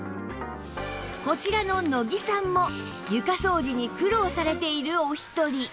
こちらの乃木さんも床掃除に苦労されているお一人